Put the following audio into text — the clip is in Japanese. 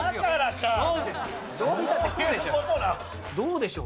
どうでしょう？